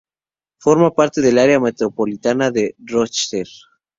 Forma parte del área metropolitana de Rochester.